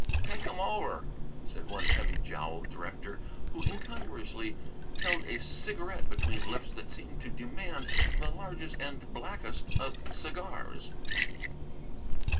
"Take 'em over," said one heavy jowled director who incongruously held a cigarette between lips that seemed to demand the largest and blackest of cigars.